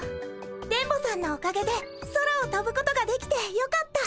電ボさんのおかげで空をとぶことができてよかった。